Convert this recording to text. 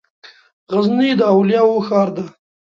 غزني د اولياوو ښار ده